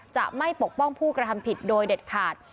จะไม่ปกป้องผู้กระทำผิดโดยเด็ดขาด